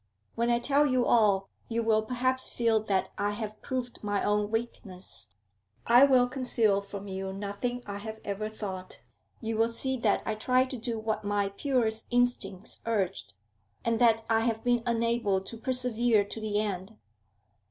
'When I tell you all, you will perhaps feel that I have proved my own weakness. I will conceal from you nothing I have ever thought; you will see that I tried to do what my purest instincts urged, and that I have been unable to persevere to the end.